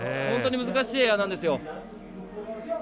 本当に難しいエアなんですよ。